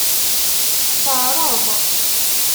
Teɛṛeḍ.